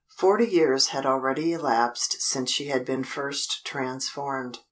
Forty years had already elapsed since she had been first transformed.